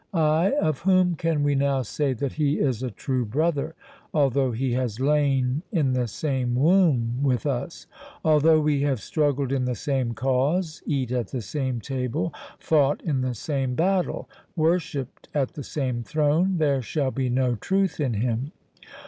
Ay, of whom can we now say that he is a true brother, although he has lain in the same womb with us? Although we have struggled in the same cause, eat at the same table, fought in the same battle, worshipped at the same throne, there shall be no truth in him.